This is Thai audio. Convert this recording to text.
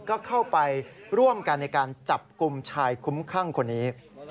ก็เข้าไปร่วมกันในการจับกลุ่มชายคุ้มคลั่งคนนี้